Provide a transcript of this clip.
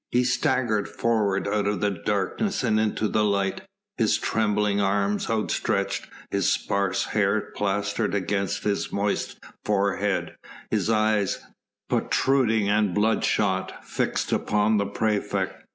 He staggered forward out of the darkness and into the light, his trembling arms outstretched, his sparse hair plastered against his moist forehead, his eyes, protruding and bloodshot, fixed upon the praefect.